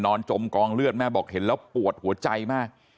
จมกองเลือดแม่บอกเห็นแล้วปวดหัวใจมาก